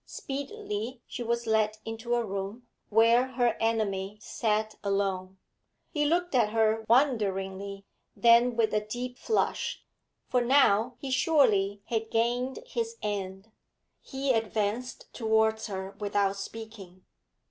Speedily she was led into a room, where her enemy sat alone. He looked at her wonderingly, then with a deep flush for now he surely had gained his end, he advanced towards her without speaking.